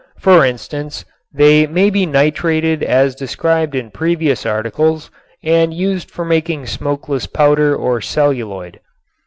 For instance, they may be nitrated as described in previous articles and used for making smokeless powder or celluloid.